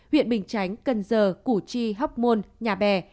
huyện bình tránh cần giờ củ chi hóc môn